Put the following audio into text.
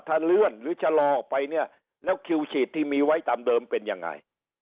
ถ้าเลื่อนหรือชะลอออกไปเนี่ยแล้วคิวฉีดที่มีไว้ตามเดิมเป็นยังไง